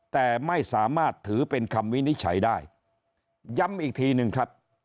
แต่ไม่สามารถถือเป็นคำวินิจฉัยได้ย้ำอีกทีหนึ่งครับ